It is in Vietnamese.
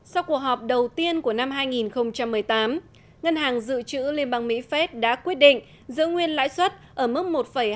sau cuộc họp đầu tiên của năm hai nghìn một mươi tám ngân hàng dự trữ liên bang mỹ fed đã quyết định giữ nguyên lãi suất ở mức một hai mươi năm một năm